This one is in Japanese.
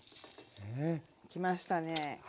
きましたね。